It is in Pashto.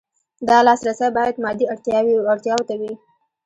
دا لاسرسی باید مادي اړتیاوو ته وي.